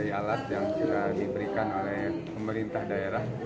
insya allah kami akan memakai alat yang sudah diberikan oleh pemerintah daerah